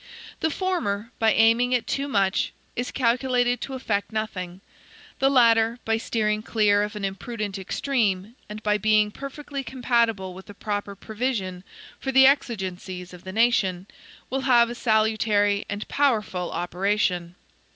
The former, by aiming at too much, is calculated to effect nothing; the latter, by steering clear of an imprudent extreme, and by being perfectly compatible with a proper provision for the exigencies of the nation, will have a salutary and powerful operation.